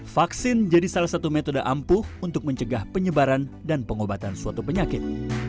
vaksin jadi salah satu metode ampuh untuk mencegah penyebaran dan pengobatan suatu penyakit